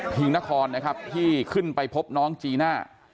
งนครนะครับที่ขึ้นไปพบน้องจีน่า